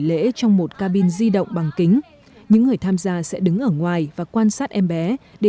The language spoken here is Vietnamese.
lễ trong một cabin di động bằng kính những người tham gia sẽ đứng ở ngoài và quan sát em bé để